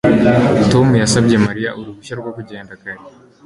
Tom yasabye Mariya uruhushya rwo kugenda kare